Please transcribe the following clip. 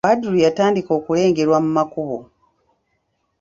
Badru yatandika okulengerwa mu makubo.